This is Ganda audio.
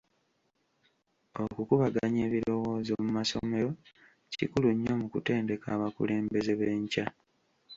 Okukubaganyanga ebirowoozo mu masomero kikulu nnyo mu kutendeka abakulembeze b'enkya.